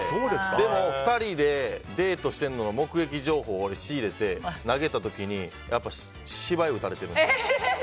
でも、２人でデートしてる目撃情報を俺が仕入れて投げた時に芝居打たれてる。